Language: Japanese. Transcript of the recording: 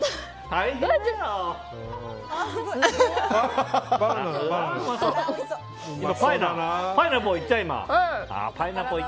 はい。